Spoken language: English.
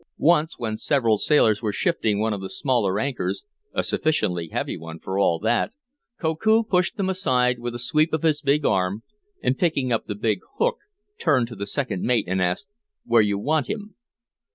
Once when several sailors were shifting one of the smaller anchors (a sufficiently heavy one for all that) Koku pushed them aside with a sweep of his big arm, and, picking up the big "hook," turned to the second mate and asked: "Where you want him?"